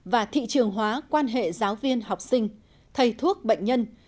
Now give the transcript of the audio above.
và thị trường hóa quan hệ giáo viên học sinh thầy thuốc bệnh nhân